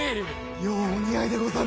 ようお似合いでござる！